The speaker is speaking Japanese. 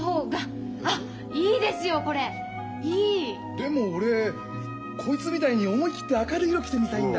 でも俺こいつみたいに思い切って明るい色着てみたいんだ。